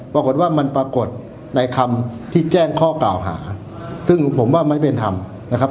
ปรากฏว่ามันปรากฏในคำที่แจ้งข้อกล่าวหาซึ่งผมว่ามันไม่เป็นธรรมนะครับ